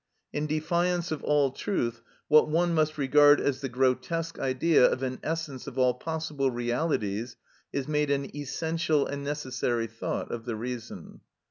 In defiance of all truth, what one must regard as the grotesque idea of an essence of all possible realities is made an essential and necessary thought of the reason.